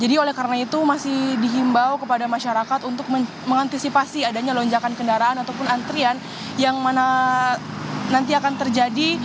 jadi oleh karena itu masih dihimbau kepada masyarakat untuk mengantisipasi adanya lonjakan kendaraan ataupun antrian yang mana nanti akan terjadi